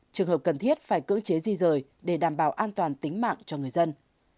trường hợp cần thiết phải cưỡng chế di rời để đảm bảo an toàn tính mạng cho người dân